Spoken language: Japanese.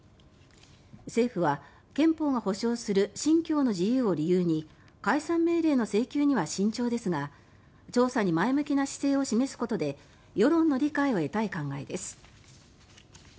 政府は憲法が保障する信教の自由を理由に解散命令の請求には慎重ですが調査に前向きな姿勢を示すことで世論の理解を得たい考えです。